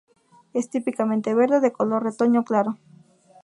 Es típicamente verde, de color retoño claro.